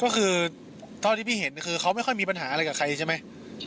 ก็คือเท่าที่พี่เห็นคือเขาไม่ค่อยมีปัญหาอะไรกับใครใช่ไหม